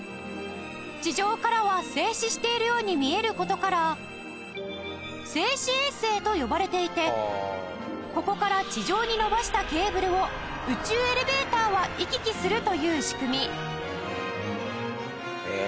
地上からは静止しているように見える事から静止衛星と呼ばれていてここから地上に伸ばしたケーブルを宇宙エレベーターは行き来するという仕組み